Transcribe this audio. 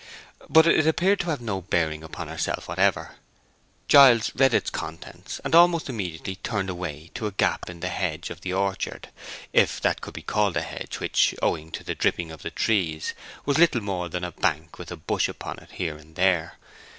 But it appeared to have no bearing upon herself whatever. Giles read its contents; and almost immediately turned away to a gap in the hedge of the orchard—if that could be called a hedge which, owing to the drippings of the trees, was little more than a bank with a bush upon it here and there.